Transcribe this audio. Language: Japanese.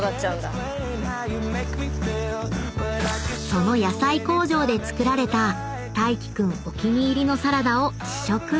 ［その野菜工場で作られた大樹君お気に入りのサラダを試食］